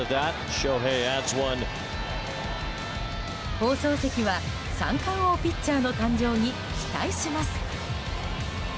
放送席は三冠王ピッチャーの誕生に期待します。